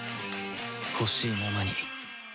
ほしいままに